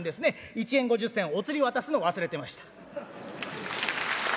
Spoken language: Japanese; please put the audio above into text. １円５０銭おつり渡すの忘れてました」。